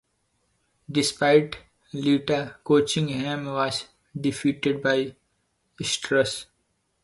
Despite Lita's coaching, Hemme was defeated by Stratus.